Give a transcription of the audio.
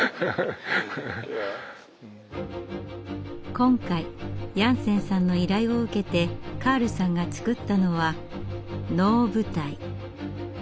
今回ヤンセンさんの依頼を受けてカールさんが造ったのは能舞台。